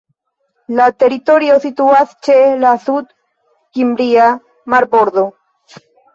La teritorio situas ĉe la Sud-Kimria marbordo.